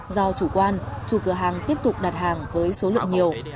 do chủ quan chủ cửa hàng tiếp tục đặt hàng với số lượng nhiều